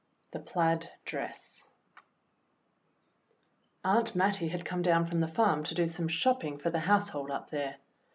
IV The Plaid Dress AUNT MATTIE had come down from the farm to do some shopping for the household up there.